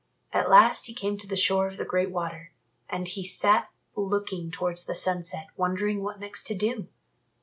At last he came to the shore of the Great Water, and he sat looking towards the sunset wondering what next to do.